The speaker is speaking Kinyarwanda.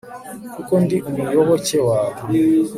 kuko ndi umuyoboke wawe